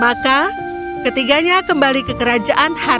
maka ketiganya kembali ke kerajaan hati